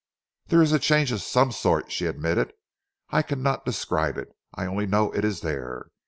"There is a change of some sort," she admitted. "I cannot describe it. I only know it is there.